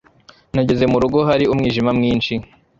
Nageze mu rugo hari umwijima mwinshi